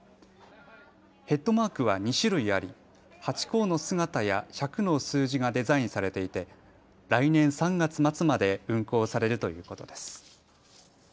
ヘッドマークは２種類ありハチ公の姿や１００の数字がデザインされていて来年３月末まで運行されるということです。